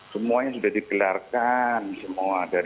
semuanya sudah dibilarkan semua